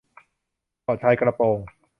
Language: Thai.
เกาะชายกระโปรง